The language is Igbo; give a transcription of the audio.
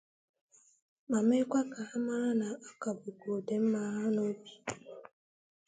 ma mekwa ka ha mara na a kà bùkwà ọdịmma ha n'obi